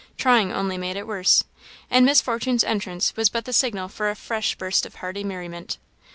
Trying only made it worse, and Miss Fortune's entrance was but the signal for a fresh burst of hearty merriment.